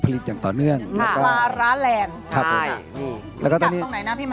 พี่กัทตรงไหนนะเนี่ย